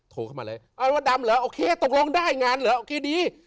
โถกับมาเลยว่าดำเหรอโอเคตกลงได้งานหรอกีดี